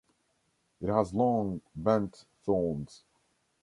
It has long, bent thorns.